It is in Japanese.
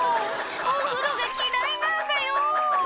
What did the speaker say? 「お風呂が嫌いなんだよ」